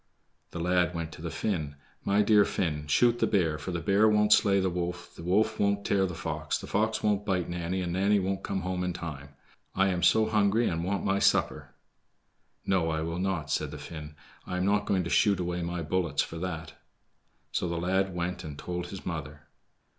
The lad went to the Finn. "My dear Finn, shoot the bear, for the bear won't slay the wolf, the wolf won't tear the fox, the fox won't bite Nanny, and Nanny won't come home in time. I am so hungry and want my supper." "No, I will not," said the Finn; "I am not going to shoot away my bullets for that." So the lad went and told his mother.